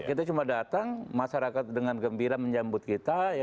kita cuma datang masyarakat dengan gembira menjambut kita